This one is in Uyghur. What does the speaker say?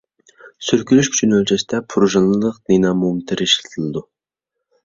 سۈركىلىش كۈچىنى ئۆلچەشتە پۇرژىنىلىق دىنامومېتىر ئىشلىتىلىدۇ.